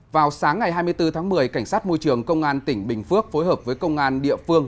vào sáng ngày hai mươi bốn tháng một mươi cảnh sát môi trường công an tỉnh bình phước phối hợp với công an địa phương